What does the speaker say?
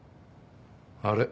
あれ？